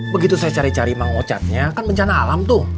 begitu saya cari cari uang ocatnya kan bencana alam tuh